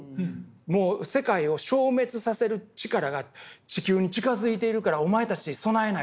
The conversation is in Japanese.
もう世界を消滅させる力が地球に近づいているからお前たち備えないといけない。